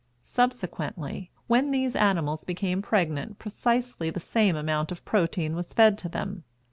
Subsequently, when these animals became pregnant precisely the same amount of protein was fed to them.